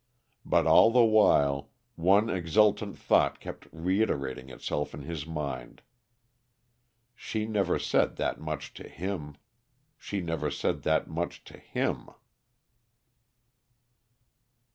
But all the while one exultant thought kept reiterating itself in his mind: "She never said that much to him! She never said that much to _him!